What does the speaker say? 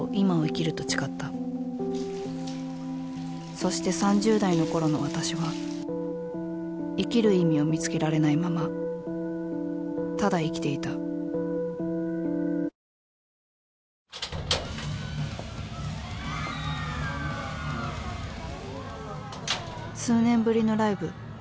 そして３０代の頃の私は生きる意味を見つけられないまま数年ぶりのライブ。